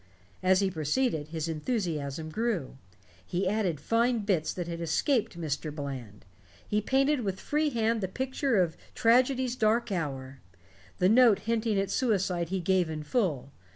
As he proceeded, his enthusiasm grew. He added fine bits that had escaped Mr. Bland. He painted with free hand the picture of tragedy's dark hour; the note hinting at suicide he gave in full.